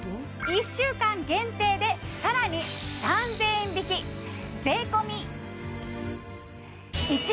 １週間限定で更に３０００円引きえ！